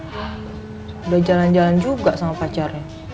hah udah jalan jalan juga sama pacarnya